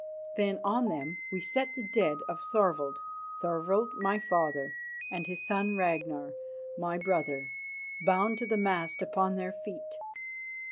Then on them we set the dead of Thorvald, Thorvald, my father, and his son Ragnar, my brother, bound to the mast upon their feet.